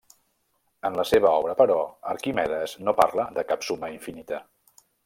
En la seva obra però, Arquimedes no parla de cap suma infinita.